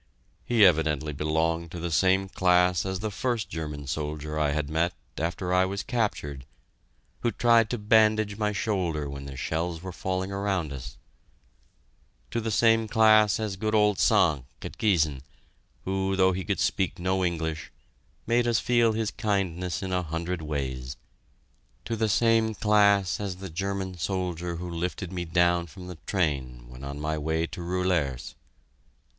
He evidently belonged to the same class as the first German soldier I had met after I was captured, who tried to bandage my shoulder when the shells were falling around us; to the same class as good old Sank at Giessen, who, though he could speak no English, made us feel his kindness in a hundred ways; to the same class as the German soldier who lifted me down from the train when on my way to Roulers.